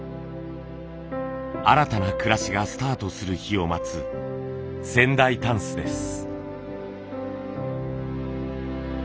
新たな暮らしがスタートする日を待つ仙台箪笥です。